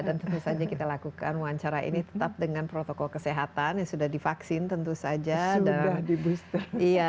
dan tentu saja kita lakukan wawancara ini tetap dengan protokol kesehatan yang sudah divaksin tentu saja